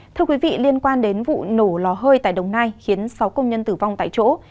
thưa quý vị liên quan đến vụ nổ lò hơi tại đồng nai khiến sáu công nhân tử vong tại chỗ